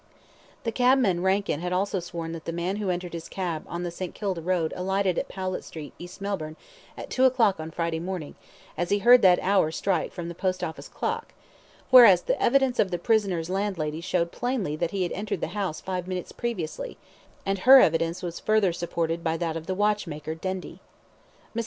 The cabman Rankin had also sworn that the man who entered his cab on the St. Kilda Road alighted at Powlett Street, East Melbourne, at two o'clock on Friday morning, as he heard that hour strike from the Post Office clock, whereas the evidence of the prisoner's landlady showed plainly that he entered the house five minutes previously, and her evidence was further supported by that of the watchmaker, Dendy. Mrs.